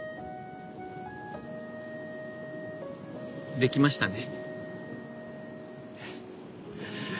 できましたね。